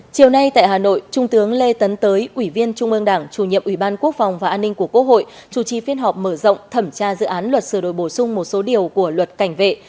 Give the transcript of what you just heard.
chiều nay tại hà nội trung tướng lê tấn tới ủy viên trung ương đảng chủ nhiệm ủy ban quốc phòng và an ninh của quốc hội chủ trì phiên họp mở rộng thẩm tra dự án luật sửa đổi bổ sung một số điều của luật cảnh vệ